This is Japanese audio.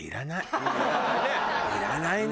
いらないね。